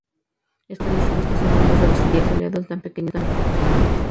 Están dispuestas en bancos horizontales y en días soleados dan pequeños destellos.